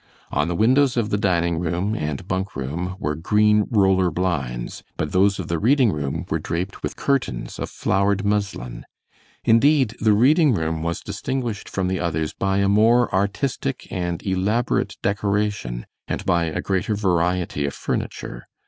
On the windows of the dining room and bunk room were green roller blinds, but those of the reading room were draped with curtains of flowered muslin. Indeed the reading room was distinguished from the others by a more artistic and elaborate decoration, and by a greater variety of furniture.